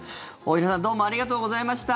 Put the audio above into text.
大平さんどうもありがとうございました。